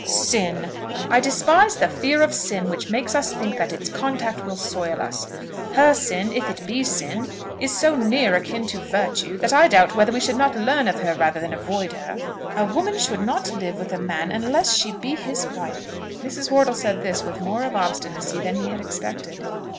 "Sin! I despise the fear of sin which makes us think that its contact will soil us. Her sin, if it be sin, is so near akin to virtue, that I doubt whether we should not learn of her rather than avoid her." "A woman should not live with a man unless she be his wife." Mrs. Wortle said this with more of obstinacy than he had expected.